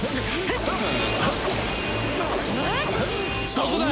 そこだ！